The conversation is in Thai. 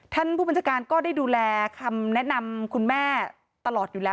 ท่านผู้บัญชาการก็ได้ดูแลคำแนะนำคุณแม่ตลอดอยู่แล้ว